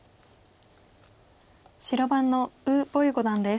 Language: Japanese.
白番の呉柏毅五段です。